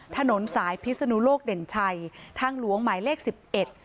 ถนนสายพิศนุโลกเด่นชัยทางหลวงหมายเลขสิบเอ็ด